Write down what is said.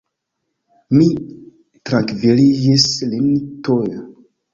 Mi trankviliĝis lin tuj.